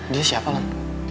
dia siapa lan